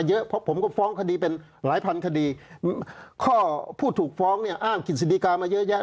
พูดถูกฟ้องคดีเป็นหลายพันคดีข้อพูดถูกฟ้องเนี่ยอ้างกฤษฎีกามาเยอะแยะ